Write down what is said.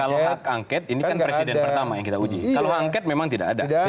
kalau hak angket ini kan presiden pertama yang kita uji kalau angket memang tidak ada